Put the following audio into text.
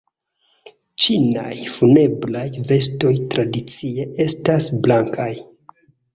Ĉinaj funebraj vestoj tradicie estas blankaj.